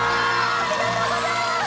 ありがとうございます。